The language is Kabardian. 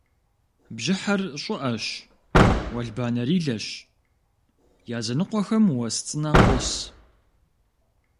Бжьыхьэр щӏыӏэщ, уэлбанэрилэщ, языныкъуэхэм уэс цӏынэ къос.